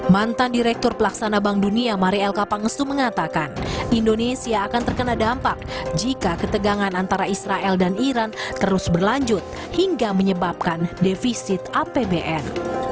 mantan direktur pelaksana bank dunia marielka pangestu mengatakan indonesia akan terkena dampak jika ketegangan antara israel dan iran terus berlanjut hingga menyebabkan defisit apbn